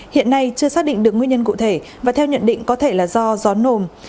hiện nay chưa xác định được nguyên nhân cụ thể và theo nhận định có thể là do gió nồm